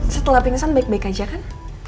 setelah pingsan baik baik aja kan